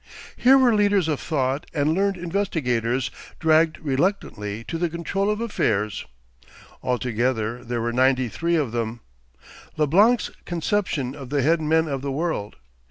Here were leaders of thought and learned investigators dragged reluctantly to the control of affairs. Altogether there were ninety three of them, Leblanc's conception of the head men of the world.